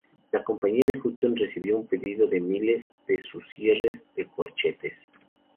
La compañía de Judson recibió un pedido de miles de sus cierres de corchetes.